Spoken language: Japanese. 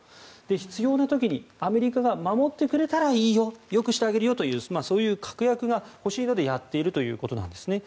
必要な時にアメリカが守ってくれたらいいよよくしてあげるよという確約が欲しいのでやっているということなんです。